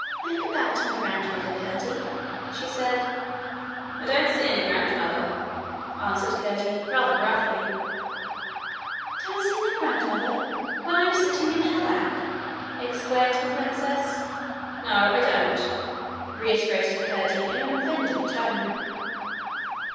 'Make a bow to my grandmother, Curdie,' she said. 'I don't see any grandmother,' answered Curdie rather gruffly. 'Don't see my grandmother, when I'm sitting in her lap?' exclaimed the princess. 'No, I don't,' reiterated Curdie, in an offended tone.